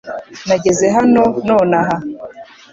Nageze hano nonaha .